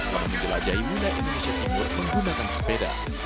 selama menjelajahi muda indonesia timur menggunakan sepeda